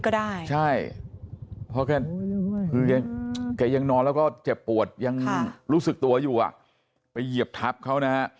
เขายังนอนแล้วก็เจ็บปวดยังรู้สึกตัวอยู่อะไปเหยียบทัพเขานะฮะ